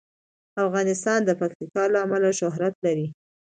افغانستان د پکتیکا له امله شهرت لري.